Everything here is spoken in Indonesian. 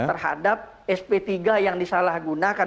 terhadap sp tiga yang disalahgunakan